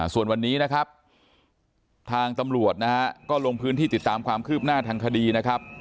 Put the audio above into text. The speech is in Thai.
ส่วนวันนี้นะครับทางตำรวจนะฮะก็ลงพื้นที่ติดตามความคืบหน้าทางคดีนะครับ